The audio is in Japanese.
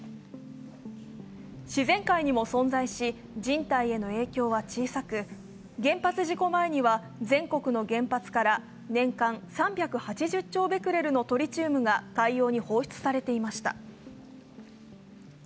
自然界にも存在し、人体への影響は小さく原発事故前には全国の原発から年間３８０兆ベクレルのトリチウムが海洋に放出されていました。